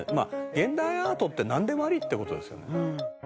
「現代アートってなんでもありって事ですよね」